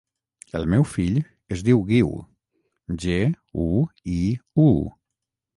El meu fill es diu Guiu: ge, u, i, u.